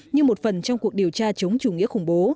như một phần trong cuộc điều tra chống chủ nghĩa khủng bố